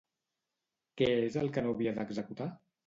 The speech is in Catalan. Què és el que no havia d'executar?